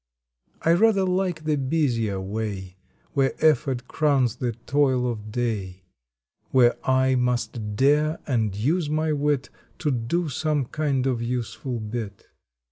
I rather like the busier way Where effort crowns the toil of day, Where I must dare and use my wit To do some kind of useful bit.